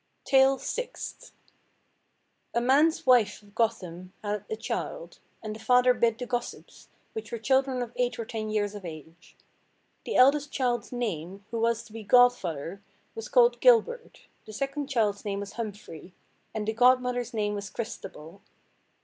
TALE SIXTH. A man's wife of Gotham had a child, and the father bid the gossips, which were children of eight or ten years of age. The eldest child's name, who was to be godfather, was called Gilbert, the second child's name was Humphrey, and the godmother's name was Christabel.